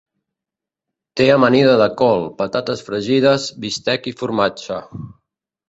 Té amanida de col, patates fregides, bistec i formatge.